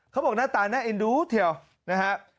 เขาบอกหน้าตาแน่อินดูเทียวนะครับ